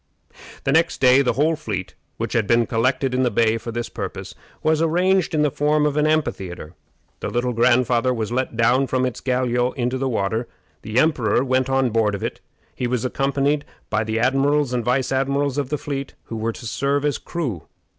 The next day the whole fleet, which had been collected in the bay for this purpose, was arranged in the form of an amphitheatre. The Little Grandfather was let down from his galliot into the water. The emperor went on board of it. He was accompanied by the admirals and vice admirals of the fleet, who were to serve as crew.